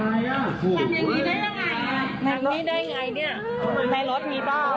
นั่งนี้ได้ยังไงมันในรถมีต้อง